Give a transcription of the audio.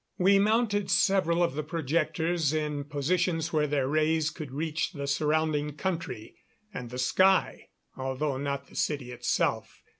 We mounted several of the projectors in positions where their rays could reach the surrounding country, and the sky, although not the city itself.